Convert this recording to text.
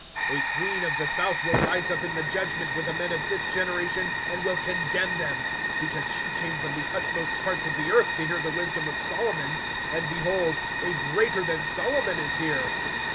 (31)A queen of the south will rise up in the judgment with the men of this generation, and will condemn them; because she came from the utmost parts of the earth to hear the wisdom of Solomon; and, behold, a greater than Solomon is here.